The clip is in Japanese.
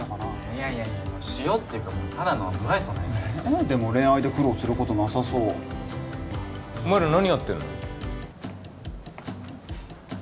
いやいやいやいや塩っていうかただの無愛想なヤツだってでも恋愛で苦労することなさそうお前ら何やってんの？